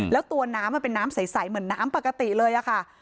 แล้วตัวน้ำมันเป็นน้ำใสเหมือนน้ำปกติเลยค่ะ